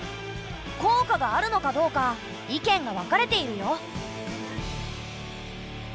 効果があるのかどうか意見が分かれているよ。